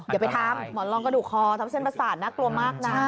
อย่าไปทำหมอนรองกระดูกคอทำเส้นประสาทน่ากลัวมากนะ